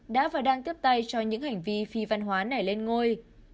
đã và đang tiếp tay cho những hành vi phi văn hóa này lên ngôi